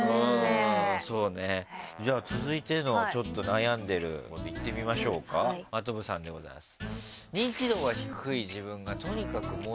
そうねじゃあ続いての悩んでることいってみましょうか真飛さんでございます。